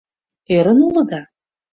Ӧрын улыда?